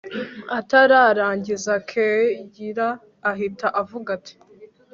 atararangiza, kellia ahita avuga ati